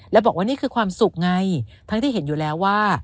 แล้วบอกว่านี่คือความสุขไงทั้งที่เห็นอยู่แล้วว่า